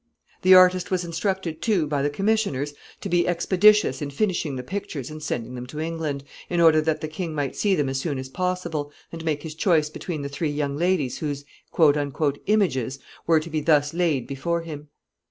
The artist was instructed, too, by the commissioners to be expeditious in finishing the pictures and sending them to England, in order that the king might see them as soon as possible, and make his choice between the three young ladies whose "images" were to be thus laid before him.